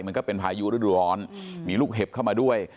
มันก็เป็นพายุฤดูร้อนมีลูกเห็บเข้ามาด้วย